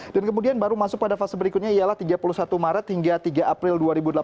dan kemudian baru masuk pada fase berikutnya ialah tiga puluh satu maret hingga tiga april dua ribu delapan belas